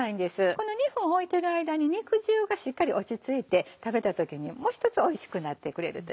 この２分おいてる間に肉汁がしっかり落ち着いて食べた時にもうひとつおいしくなってくれるというか。